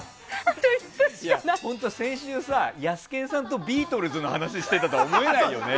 本当、先週さヤスケンさんとビートルズの話をしていたとは思えないよね。